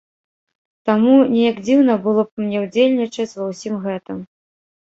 Таму неяк дзіўна было б мне ўдзельнічаць ва ўсім гэтым.